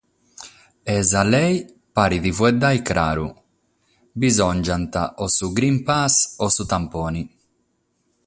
E sa lege paret faeddare craru: bisòngiant o su Greenpass o su tampone.